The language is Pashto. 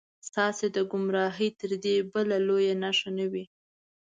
ستاسې د ګمراهۍ تر دې بله لویه نښه نه وي.